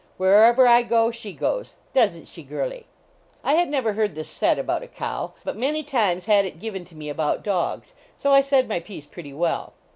Wherever I go she goes; doesn t she, girlie?" I had never heard this said about a cow, but many times had it given to me about dogs, so I said my piece pretty well.